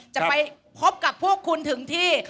จะไปพบกับพวกคุณถึงที่